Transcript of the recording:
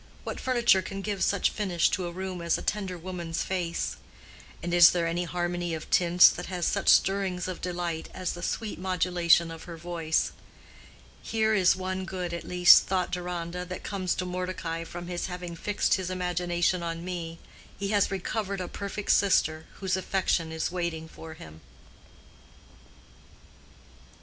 What furniture can give such finish to a room as a tender woman's face?—and is there any harmony of tints that has such stirrings of delight as the sweet modulation of her voice? Here is one good, at least, thought Deronda, that comes to Mordecai from his having fixed his imagination on me. He has recovered a perfect sister, whose affection is waiting for him.